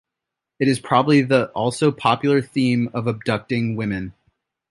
It is probably the also popular theme of abducting women.